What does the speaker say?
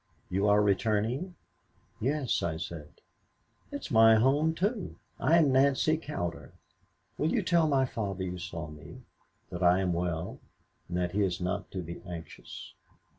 You are returning?' "'Yes,' I said. "'It is my home, too. I am Nancy Cowder. Will you tell my father you saw me, that I am well, and that he is not to be anxious?'